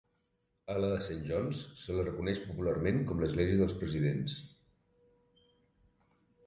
A la de Saint John's se la coneix popularment com a l'"Església dels presidents".